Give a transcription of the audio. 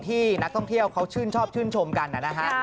ที่นักท่องเที่ยวเขาชื่นชอบชื่นชมกันนะฮะ